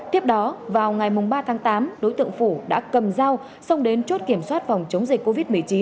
tiếp đó vào ngày ba tháng tám đối tượng phủ đã cầm dao xông đến chốt kiểm soát phòng chống dịch covid một mươi chín